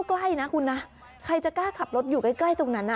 ใครจะใครจะกล้าขับรถอยู่ใกล้ใกล้ตรงนั้นอ่ะ